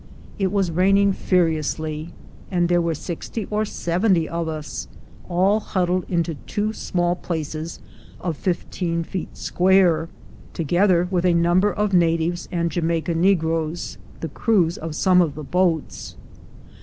It was raining furiously, and there were sixty or seventy of us, all huddled into two small places of fifteen feet square, together with a number of natives and Jamaica negroes, the crews of some of the boats.